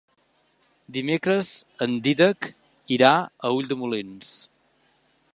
Dimecres en Dídac irà a Ulldemolins.